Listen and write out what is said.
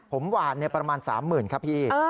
ผมหวานประมาณ๓๐๐๐ครับพี่